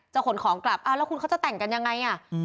ขนของกลับแล้วคุณเขาจะแต่งกันยังไงอ่ะ